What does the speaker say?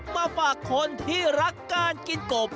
มาฝากคนที่รักการกินกบ